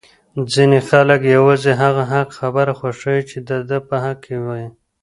ځینی خلک یوازی هغه حق خبره خوښوي چې د ده په حق کي وی!